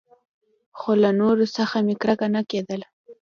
خو له نورو څخه مې کرکه نه کېدله.